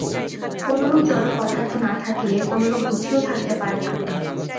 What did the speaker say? কোনরূপ জড় পদার্থ না থাকিলে কোনরূপ বুদ্ধিও থাকিতে পারে না।